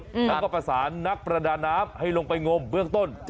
แล้วก็ประสานนักประดาน้ำให้ลงไปงมเบื้องต้น